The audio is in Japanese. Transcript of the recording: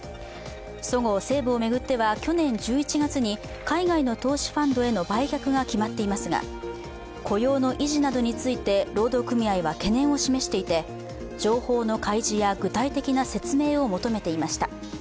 そごう・西武を巡っては去年１１月に海外の投資ファンドへの売却が決まっていますが雇用の維持などについて労働組合は懸念を示していて情報の開示や具体的な説明を求めていました。